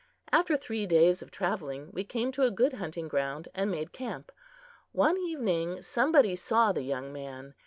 After three days' travelling, we came to a good hunting ground, and made camp. One evening somebody saw the young man.